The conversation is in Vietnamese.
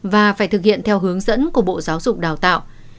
và phải thực hiện theo hướng dẫn của bộ giáo dục đào tạo